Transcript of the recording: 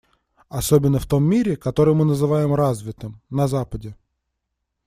Особенно в том мире, который мы называем «развитым» - на Западе.